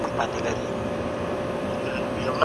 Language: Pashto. سالم ذهن کرکه نه پیدا کوي.